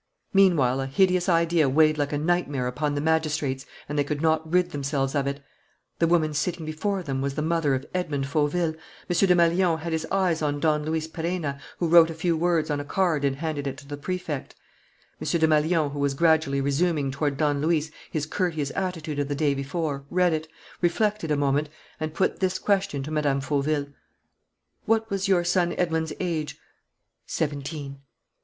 Meanwhile, a hideous idea weighed like a nightmare upon the magistrates and they could not rid themselves of it: the woman sitting before them was the mother of Edmond Fauville. M. Desmalions had his eyes on Don Luis Perenna, who wrote a few words on a card and handed it to the Prefect. M. Desmalions, who was gradually resuming toward Don Luis his courteous attitude of the day before, read it, reflected a moment, and put this question to Mme. Fauville: "What was your son Edmond's age?" "Seventeen."